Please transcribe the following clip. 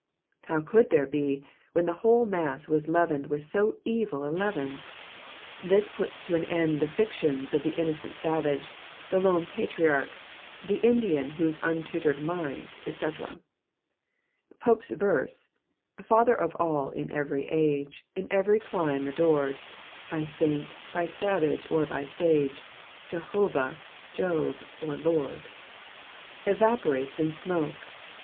^^ How could there be, when the whole mass was leavened with so evil a leaven ? This puts an end Digitized by VjOOQIC PSALM THE FIPTY THIBD. 3 to the fictionB of the innocent savage, the lone patriarch, " the Indian whose UDtatored mind," etc. Pope's verse —" Father of all, In every age, In every clime adored, By saint, by savage, or by sage, Jehovah, Jove, or Lora," evaporates in smoke.